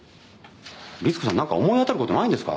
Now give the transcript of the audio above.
りつ子さんなんか思い当たる事ないんですか？